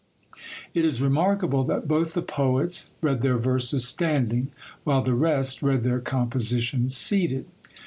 It is remarkable that both the poets read their verses standing, while the rest read their compositions seated.